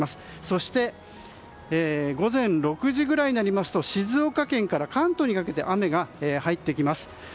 そして午前６時ぐらいになりますと静岡県から関東にかけて雨が入ってきます。